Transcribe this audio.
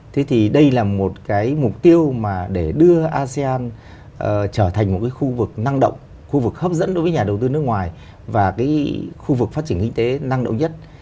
thế thì đây là một cái mục tiêu mà để đưa asean trở thành một cái khu vực năng động khu vực hấp dẫn đối với nhà đầu tư nước ngoài và cái khu vực phát triển kinh tế năng động nhất